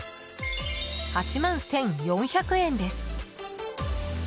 ８万１４００円です。